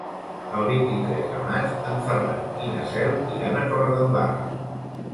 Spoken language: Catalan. El vint-i-tres de maig en Ferran i na Cel iran a Torredembarra.